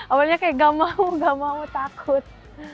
awalnya kayak gak mau gak mau takut